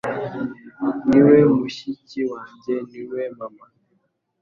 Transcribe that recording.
ni we mushiki wanjye, ni we Mama.»